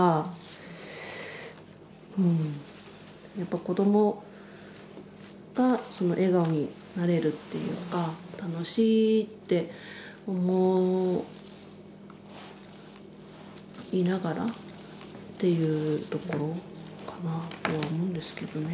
やっぱ子どもが笑顔になれるっていうか楽しいって思いながらっていうところかなとは思うんですけどね。